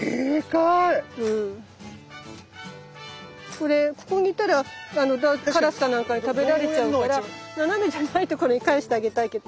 これここにいたらカラスか何かに食べられちゃうから斜めじゃないとこに返してあげたいけど。